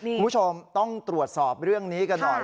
คุณผู้ชมต้องตรวจสอบเรื่องนี้กันหน่อย